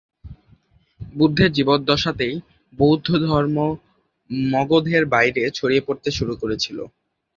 বুদ্ধের জীবদ্দশাতেই বৌদ্ধধর্ম মগধের বাইরে ছড়িয়ে পড়তে শুরু করেছিল।